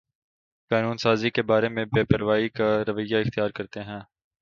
قانون سازی کے بارے میں بے پروائی کا رویہ اختیار کرتے ہیں